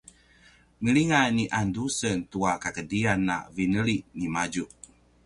“milingan ni Andusen tua kakedrian” a vineli nimadju